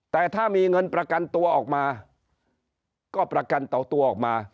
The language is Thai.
แต่ถ้ามีเงินประกันตัวออกมาก็ประกันต่อตัวออกมา